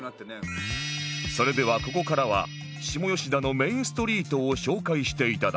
それではここからは下吉田のメインストリートを紹介していただこう